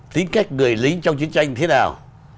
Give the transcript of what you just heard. tính cách người lính trong chiến tranh thế nào